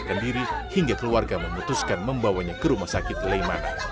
rrs menjadarkan diri hingga keluarga memutuskan membawanya ke rumah sakit leiman